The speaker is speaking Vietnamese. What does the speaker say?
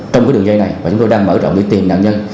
trong cái đường dây này và chúng tôi đang mở rộng để tìm nạn nhân